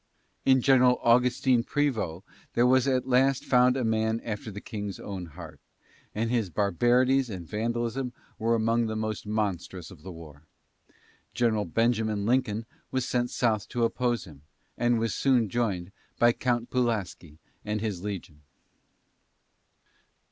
In General Augustine Prevost there was at last found a man after the King's own heart, and his barbarities and vandalism were among the most monstrous of the war. General Benjamin Lincoln was sent south to oppose him, and was soon joined by Count Pulaski and his legion.